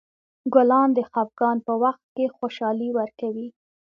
ګلان د خفګان په وخت خوشحالي ورکوي.